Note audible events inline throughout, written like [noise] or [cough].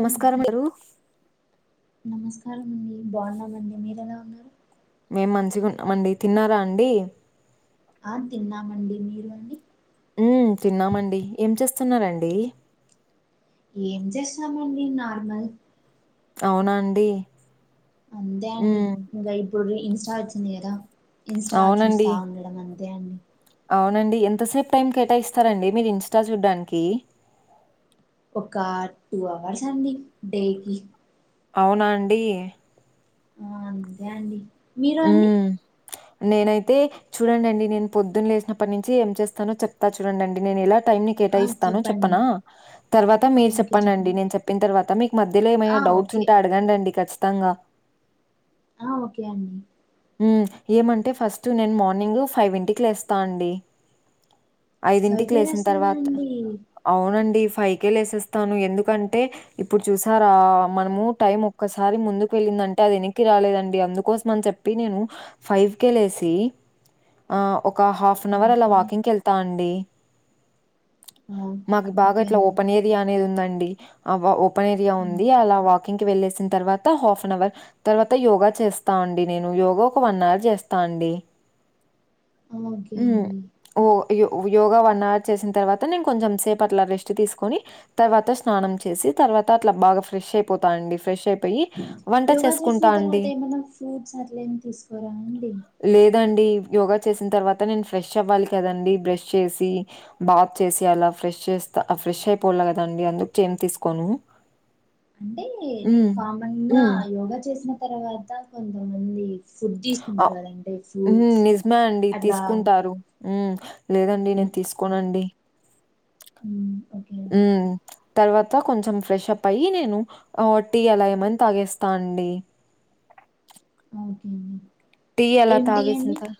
నమస్కారం గారు నమస్కారం అండి బాగున్నామండి మీరు ఎలా ఉన్నారు. మేమ్ మంచిగున్న మండి తిన్నారా అండీ. ఆ తిన్నామండి మీరు అండి. ఉ తిన్నామండి ఏం చేస్తున్నారండి ఏం చేస్తామండి నార్మల్ అవునా అండి అంతే అండి హ్మ్. ఇంకా ఇప్పుడు ఈ ఇంస్టా వచ్చింది కదా, ఇన్స్టా అవునండి. చూస్తా ఉండే అవును అంతే అండి అవునండి ఎంతసేప్ టైం కేటాయిస్తారండి మీరు ఇన్స్టా చూడ్డానికి. ఒక టూ అవర్స్ అండి డేకిి అవునా అండి ఉ అంతే అండి మీరు ఉ అండి నేనైతే చూడడండి నేను పొద్దున్న లేసినప్పటి నుంచి ఏం చేస్తానో చెప్తా చూడండండి నేను ఎలా టైమ్ని ఆ కేటాయిస్తానో చెప్పండి చెప్పనా తర్వాత ఆ మీరు ఓకే చెప్పంనండి చెప్పండి నేను చెప్పిన తర్వాత మీకు మధ్యలో ఏమైనా ఆ డౌట్స్ ఓకే ఉంటే అడగడండి ఖచ్చితంగా. ఆ ఓకే అండి ఉమ్ ఏమంటే ఫస్ట్ నేను మార్నింగ్ ఫైవ్ యింటికి లేస్తా అండి. ఫైవ్ ఐదింటికి కే లేసిన తెస్తారా తర్వాత అండి అవునండి ఫైవ్కేే లేసేస్తాను ఎందుకంటే ఇప్పుడు చూసారా మనము టైం ఒక్కసారి ముందుకు వెళ్ళిందంటే అది వెక్నికి రాలేదండి అందుకోసమని చెప్ నేను ఫైవ్కే లేసి ఆ ఒక హాఫ్ అన్ అవర్ అలా ఓకే వాకింగ్కి యెల్ తండి వావ్. మాకు బాగా ఓకే ఇట్లా అండి ఓపెన్ ఏర్ రియా అనేది ఉందండి ఆ వ ఓపెన్ ఏరియా ఆ, ఉంది అలా వాకింగ్కి వెళ్ళేసిన తర్వాత హాఫ్ అన్ అవర్ తర్వాత యోగా చేస్తా అండి నేను యోగా ఒక వన్ అవర్ చేస్తా అండి ఆ, ఓకే ఊ అండి ఓ యో యోగా వన్ అవర్ చేసిన తర్వాత నేను కొంచెం సేపు అట్లా రెస్ట్ తీసుకొని తర్వాత స్నానం చేసి తర్వాత అట్లా బాగా ఫ్రెష్ అయిపోతా అండి ఫ్రెష్ అయి యోగా చేసిన తర్వాత ఏమన్నా ఫ్రూట్స్ అట్లేమి తీసుకోరా అండి. లేదండి యోగా చేసిన తర్వాత నేను ఫ్రెష్ అవ్వాలి కదండి బ్రష్ చేసి బాత్ చేసి అలా ఫ్రెష్ చేస్తా ఆ ఫ్రెష్ అయిపోల్లా కదండి అందుకు చేమ్ తీసుకోను. [inaudible] అంటే హ్మ్. కామన్గా హ్మ్. యోగా చేసిన తర్వాత కొంతమంది ఫుడ్ తీసుకుంటారు అవ్ కదండి ఫ్రూట్స్ నిజమే అండి అట్లా తీసుకుంటారు ఉ లేదండి నేను తీసుకోనండి ఉమ్ ఓకే ఉ తర్వాత కొంచెం ఫ్రెష్ అప్ అయ్యి నేను ఆ టీ అలా ఏమైనా తాగేస్తా అండి ఓకే అండి టీ అలా ఏం టీ తాగేసినా అండి తర్వాత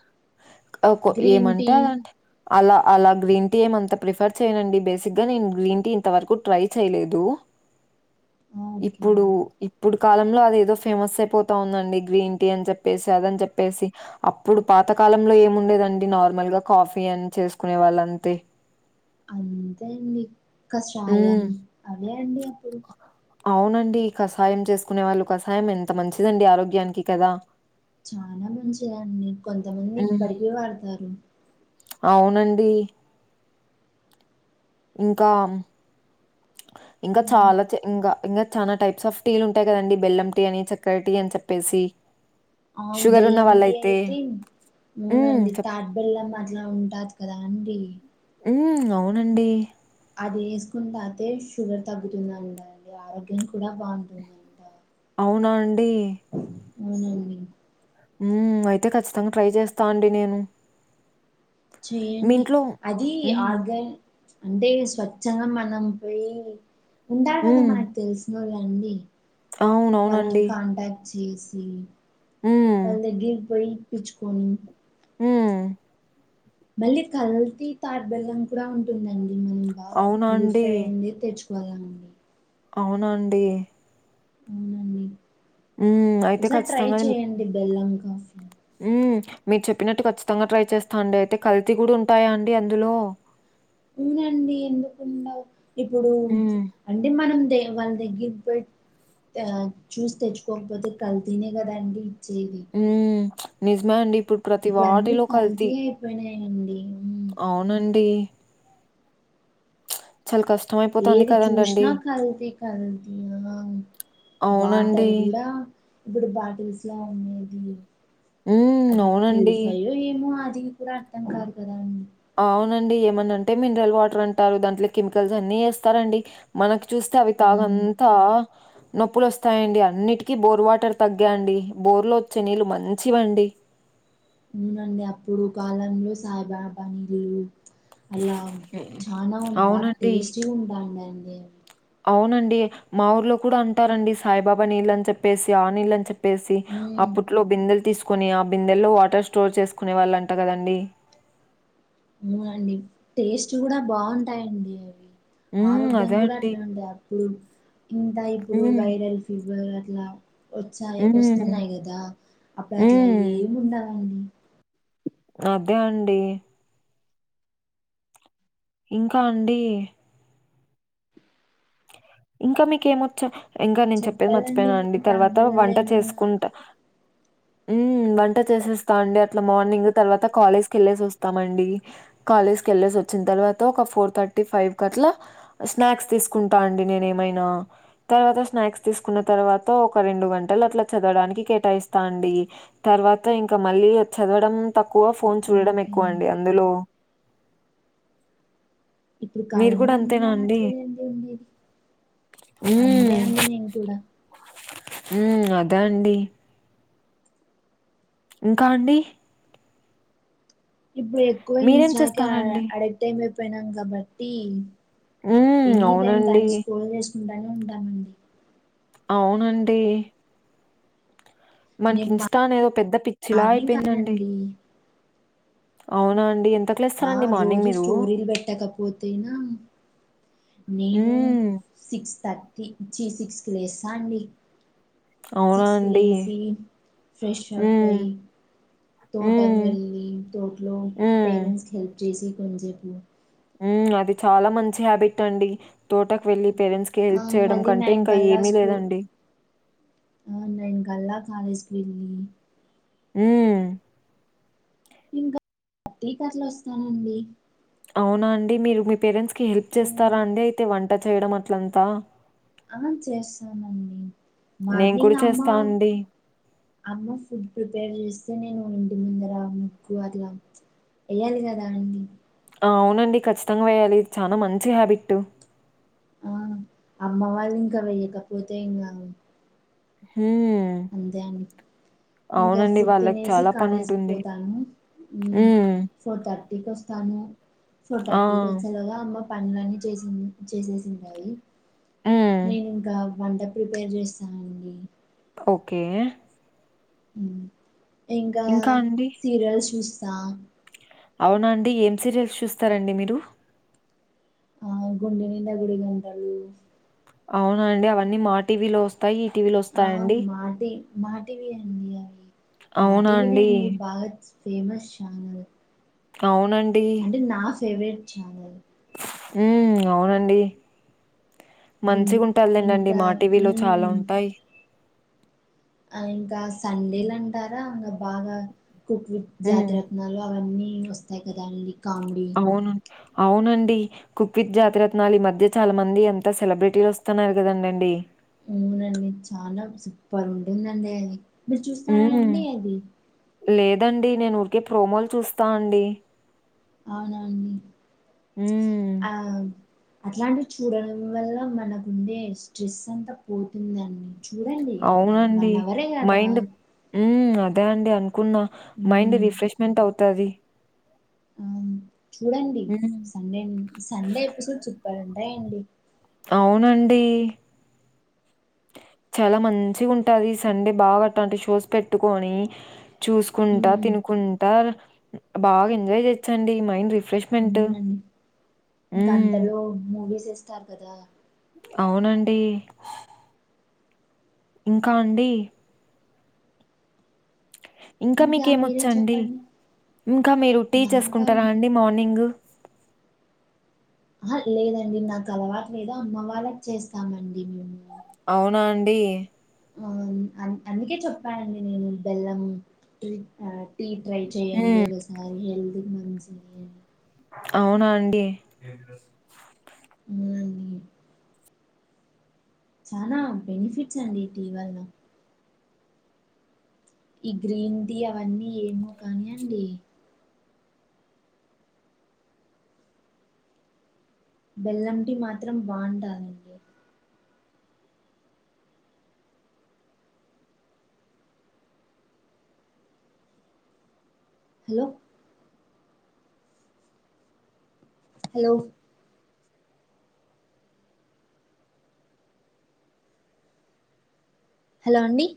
అవ్కో గ్రీన్ టీ ఏమంటరంటే అలా అలా గ్రీన్ టీ ఏమంత ప్రిఫర్ చేయనండి బేసిక్గా నేను గ్రీన్ టీ ఇంతవరకు ట్రై చేయలేదు. [inaudible] ఓకే ఇప్పుడు అండి ఇప్పుడు కాలంలో అది ఏదో ఫేమస్ అయిపోతా ఉందండి గ్రీన్ టీ అని చెప్పేస్ కాదని చెప్పేసి అప్పుడు పాతకాలంలో ఏముండేదండి నార్మల్గా కాఫీ అని చేసుకునే వాళ్ళంతే. అంతే అండి కషాయం హ్మ్. అవే అండి అప్పుడు అవునండి కషాయం చేసుకునే వాళ్ళు కషాయం ఎంత మంచిదండి ఆరోగ్యానికి కదా. చానా మంచిదండి కొంతమంది హ్మ్. ఇప్పటికి వాడతారు. అవునండి ఇంకా ఇంకా మ్మ్ చాలా ఇంకా ఇంకా చాలా టైప్స్ ఆఫ్ టీలు ఉంటాయి కదండి. బెల్ం టీ అని, చక్కర టీ అని చెప్పేసి. ఆ షుగర్ ఉన్న అవును. బెల్లంటి వాళ్ళైతే అయితే హ్మ్. మూనంది చెప్ తా బెల్లం అట్లా ఉంటాది కదా అండి ఉ అవునండి అది వేసుకుంట అయితే షుగర్ తగ్గుతుందిండి. ఆరోగ్యం కూడా బాగుంటుందండి. మ్ అవునా అండి మ్ మ్ అయితే ఖచ్చితంగా ట్రై చేస్తా అండి నేను. మీ చేయండి ఇంట్లో అది హ్మ్. ఆర్గ అంటే స్వచ్ఛంగా మనం పోయి ఉంటారు కదా హ్మ్. మనకు తెలుసు. వాళ్లండి వాళ్ళని అవునవునండి. కాంటాక్ట్ చేసి హ్మ్. వాల్ దగ్గరికి పోయి ఇప్పించుకొని, మ్ మళ్ళీ కల్తీ తాడ్బెల్లం కూడా ఉంటుందండి. మనం బాగా అవునా అండి? ప్యూరిఫై అయింది తెచ్చుకో బలం అవునాండి అవునండి. హ్మ్. అయితే ఒకసారి ట్రై చేయడి బెల్లం కాఫీ. మ్ మీరు చెప్పినట్టు కఖచ్చితంగా ట్రై చేస్తా అండి. అయితే కల్తీ కూడా ఉంటాయా అండి అందులో అవునండి. ఎందుకుండవు ఇప్పుడు హ్మ్. అంటే మనం తేవాలి వాళ్ళ దగ్గిరకి పోయి చూసి తెచ్చుకోకపోతే కల్తీ నే కదాండి ఇచ్చేది. మ్ నిజమా అండి ఇప్పుడు ప్రతి ఇప్పుడు అన్నీ వాటిలో కల్తీ అయిపోయినాయండి. అవునండి చాలా కష్టమే ఏది చూసినా కల్తీ కదా అవునండి. వాటర్ కూడా ఇప్పుడు బాటిల్స్ లా ఉండేది హ్మ్. అది అవునండి. ప్యూరిఫై యో ఏమో అది కూడా అర్థం కాదు కదా అండి. అవునండి, ఏమనంటే మినరల్ వాటర్ అంటారు. దాంట్లో కెమికల్స్ అన్ని వేస్తారండి. మనకు చూస్తే అవి మ్ తాగితే నొప్పులు వస్తాయండి. అన్నిటికీ బోర్ వాటర్ తగ్గే అండి. బోర్లో వచ్చే నీళ్ళు మంచివండి. ఆవునండి అప్పుడు కాలంలో సాయిబాబా నీళ్లు అలా హ్మ్. చానా బాగా అవునండి. టేస్టీగా ఉంటాండండి. అవునండి. మా ఊర్లో కూడా అంటారండి సాయిబాబా నీళ్ళు అని చెప్పేసి, ఆ నీళ్ళని చెప్పి చెప్పేసి మ్మ్ అప్పట్లో బిందెలు తీసుకుని ఆ బిందెల్లో వాటర్ స్టోర్ చేసుకునే వాళ్ళు అంట కదండి. అవునండి, టేస్ట్ కూడా బాగుంటాయండి అవి. హ్మ్. ఆరోగ్యం అదే కూడా అండి. అట్లనే ఉండ. అప్పుడు ఇంత ఇప్పుడు హ్మ్. వైరల్ ఫీవర్ అట్లా హ్మ్. వస్తున్నాయి కదా అప్పుడు అట్లా హ్మ్. ఏమి ఉండవండి. అదే అండి ఇంకా అండి ఇంకా మీకేమొచ్చు. ఇంకా నేను చెప్పేది చెప్పాలండి మర్చిపోయాను మీ అండి తర్వాత ప్రాంతాలలో వంట చేసుకుంట [inaudible] ఉమ్ వంట చేసేస్తాం అండి అట్లా మార్నింగ్ తర్వాత కాలేజ్ కేళ్ళేసి వస్తామండి కాలేజ్ కి వెళ్ళేసి వచ్చిన తర్వాత ఒక ఫోర్ థర్టీ ఫైవ్ క అట్లా స్నాక్స్ తీసుకు కుంటా అండి నేనే ఏమైనా తర్వాత స్నాక్స్ తీసుకున్న తర్వాత ఒక రెండు గంటలు అట్లా చదవడానికి కేటాయిస్తా అండి తర్వాత ఇంకా మళ్ళీ చదవడం తక్కువ ఫోన్ చూడడం ఎక్కువ అండి అందులో ఇప్పుడు మీరు కాలంలో కూడా అంతేనా అండి? అందుటంటి ఉండేది ఉ అంతే అండి నేను కూడా ఉమ్ అదే అండి ఇంకా అండి ఇప్పుడు ఎక్కువ మీరేం ఇన్స్టాకి ఆ అడే చేస్తారండి? అడిక్ట్ అయిపోయినాం కాబట్టి హ్మ్. ఎనీ టైమ్ అవునండి. దాన్ని స్క్రోల్ చేసుకుంటానే ఉంటామండి అవునండి మనకి నేను ఇన్స్టా అనేదో పెద్ద పిచ్చిలా మార్నింగ్ అయిపోయిందండి కానండి అవునా అండి ఎంత ఆ రోజు స్టోరీలు పెట్టకపోతేనా నేను హ్మ్. సిక్స్ థర్టీ చి సిక్స్ కి లేస్తా అండి అవునా సిక్స్కు అండి? లేసి ఫ్రెష్ అప్ హ్మ్. అయి తోటకు హ్మ్. వెళ్ళి తోటలో హ్మ్. పేరెంట్స్ కి హెల్ప్ చేసి కొంన్ సేపు ఉ అది చాలా మంచి హ్యాబిట్ అండి తోట వెళ్ళి పేరెంట్స్ కి హెల్ప్ చేయడం మళ్ళీ కంటే నైన్ ఇంకా ఏమీ లేదండి ఆ నైన్ కళ్ళ కాలేజీకి వెళ్ళి ఉ ఇంకా పతికట్లు వస్తానండి అవునా అండి మీరు మీ పేరెంట్స్ కి హెల్ప్ చేస్తారా అండి అయితే వంట చేయడం అట్లంతా ఆ చేస్తానండి నేను కూడా మార్నింగ్ అమ్మా చేస్తా అండి. అమ్మ ఫుడ్ ప్రిపేర్ చేస్తే నేను ఇంటి ముందర ముగ్గు అట్లా వేయ్యాలి కదా అండి అవునండి ఖచ్చితంగా వేయాలి చాలా మంచి హ్యాబిట్ ఆ అమ్మ వాళ్ళు ఇంకా వెయ్యకపోతే ఇంకా ఉమ్ అంతే అండి ఇంకా ఫుడ్ వాళ్ళకి తినేసి చాలా కాలేజీకి పనుంటుంది. పోతాను ఉ హ్మ్. ఫోర్ థర్టీకి వస్తాను ఫోర్ థర్టీకి ఆ! వచ్చేలోగా అమ్మ పనులన్ని చేసింది చేసేసింటాది హ్మ్. నేను ఇంకా వంట ప్రిపేర్ చేస్తా అండి ఓకే ఉ ఇంకా సీరియల్స్ చూస్తా అవునండి ఏం సీరియల్స్ చూస్తారండి మీరు ఆ గుండె నిండా గుడి గంటలు అవునా అండి అవన్నీ మా టీవీ లో వస్తాయి ఈ టీవీలో వస్తాయండి మా టీ మాటీవీ అండి అవి మా టీవీనే అండి బాగా ఫేమస్ ఛానల్ అవునండి అంటే నా ఫేవరెట్ చానల్ ఉ అవునండి గుం మంచిగా ఉంటదిలే దండి ఇంకా మా టీవీలో చాలా మ్మ్ ఉంటాయి ఆ ఇంకా సండేలు అంటారా ఇంగా బాగా కుక్ హ్మ్. జాతిరత్ నాలు అవన్నీ వస్తాయి కదా అండి కామెడీ అవును అవునండి కుక్విత్ జాతిరత్నాలు ఈ మధ్య చాలా మంది ఎంత సెలబ్రిటీలు వస్తున్నారు. కదండండి ఆవునునండి చాలా సూపర్ ఉంటుందండి. అది మీరు చూస్తారా హ్మ్. అండి అది లేదండి. నేను ఊరికే ప్రోమోలు చూస్తా అండి అవునా అండి హ్మ్. ఆ అట్లాంటివి చూడడం వల్ల మనకు ఉండే స్ట్రెస్ అంతా పోతుంది. అండి చూడండి. అట్లా వన్ అవరే కదా హ్ అదే అండి అనుకున్నా మైండ్ మ్మ్ రిఫ్రెష్మెంట్ అవుతాది ఆ చూడండి హ్మ్. సండే సండే ఎపిసోడ్స్ సూపర్ ఉంటాయండి. అవునండి చాలా మంచిగా ఉంటది. సండే బాగా అటాంటి షోస్ పెట్టుకొని చూసుకుంటా మ్మ్ తినుకుంటా బాగా ఎంజాయ్ చేయోచ్చండి మైండ్ రిఫ్రెష్మెంట్ అవునండి ఇంకా అంతలో మూవీస్ ఏస్తారు కదా అవునండి ఇంకా అండి ఇంకా మీకేమొచ్చు మీరే అండి చెప్పండి ఇంకా మీరు టీ నాకా చేసుకుంటారా అండి మార్నింగు ఆ లేదండి నాకు అలవాట్ లేదు అమ్మ వాళ్ళకు చేస్తామండి మేము అవునా అండి ఆ అందుకే చెప్పానండి. నేను బెల్లం టీ ట్రై చేయండి. హ్మ్. ఒకసారి హెల్తీకి మంచిది అని అవునా అండి అవునండి చనా బెనిఫిట్స్ అండి ఈ టీ వాళ్ల ఈ గ్రీన్ టీ అవన్నీ ఏమో కాని అండి బెల్లంటీ మాత్రం బాగుంటాది హలో హలో హలో అండి